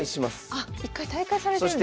あっ一回退会されてるんですね。